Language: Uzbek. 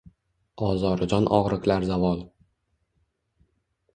Ozorijon ogʼriqlar zavol.